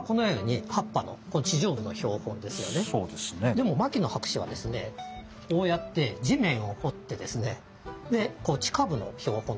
でも牧野博士はですねこうやって地面を掘ってですね地下部の標本ですね。